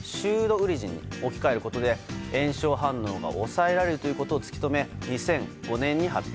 ウリジンに置き換えることで、炎症反応が抑えられるということを突き止め２００５年に発表。